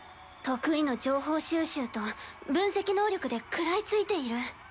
得意の情報収集と分析能力でくらいついている。